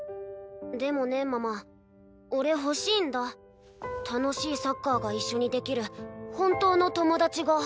でもねママ俺欲しいんだ楽しいサッカーが一緒にできる本当の友達が。